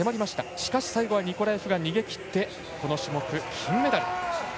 しかし最後はニコラエフ逃げきってこの種目、金メダル。